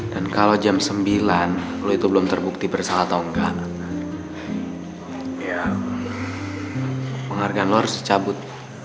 dan kalo jam sembilan lo itu belum terbukti bersalah atau engga ya penghargaan lo harus dicabut